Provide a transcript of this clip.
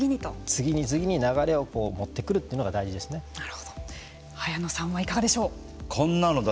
次に次に流れを持ってくるというのが早野さんはいかがでしょう。